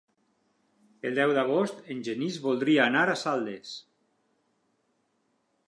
El deu d'agost en Genís voldria anar a Saldes.